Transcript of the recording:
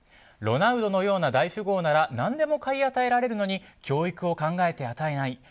ロナウドのような大富豪なら何でも買い与えられるのに教育を考えて与えない